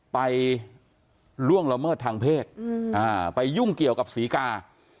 ล่วงละเมิดทางเพศไปยุ่งเกี่ยวกับศรีกา